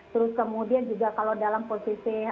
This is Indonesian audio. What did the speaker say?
terus kemudian juga kalau dalam posisi